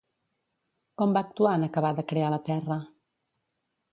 Com va actuar en acabar de crear la Terra?